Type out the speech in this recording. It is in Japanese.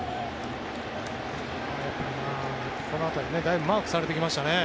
この辺りだいぶマークされてきましたね。